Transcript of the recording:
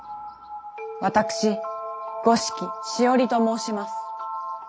私五色しおりと申します。